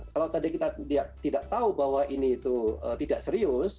kalau tadi kita tidak tahu bahwa ini itu tidak serius